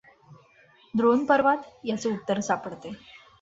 द्रोणपर्वात याचे उत्तर सापडते.